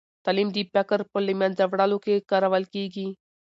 تعلیم د فقر په له منځه وړلو کې کارول کېږي.